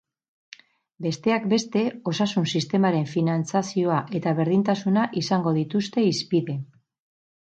Besteak beste, osasun sistemaren finantzazioa eta berdintasuna izango dituzte hizpide.